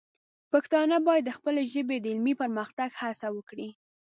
پښتانه باید د خپلې ژبې د علمي پرمختګ هڅه وکړي.